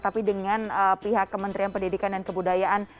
tapi dengan pihak kementerian pendidikan dan kebudayaan